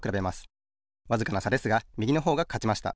わずかなさですがみぎのほうがかちました。